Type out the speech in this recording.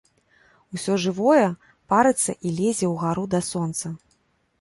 Усё жывое парыцца і лезе ў гару да сонца.